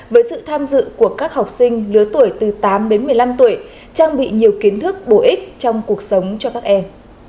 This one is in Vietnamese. với sự tham dự của các học sinh lứa tuổi từ tám đến một mươi năm tuổi trang bị nhiều kiến thức bổ ích trong cuộc sống cho các em